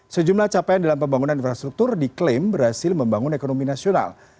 sejumlah capaian dalam pembangunan infrastruktur diklaim berhasil membangun ekonomi nasional